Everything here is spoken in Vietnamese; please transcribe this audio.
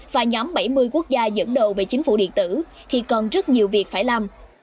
và nhóm bảy mươi quốc gia dẫn đầu về chính phủ điện tử thì cần rất nhiều việc phải làm